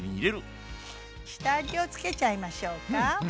下味を付けちゃいましょうか。